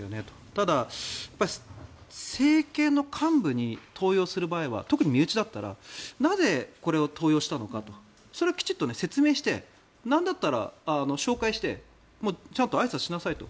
ただ、政権の幹部に登用する場合は特に身内だったらなぜ、これを登用したのかとそれをきちっと説明してなんだったら紹介してちゃんとあいさつしなさいと。